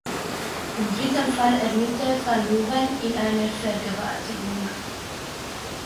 Im dritten Fall ermittelt van Leeuwen in einer Vergewaltigung.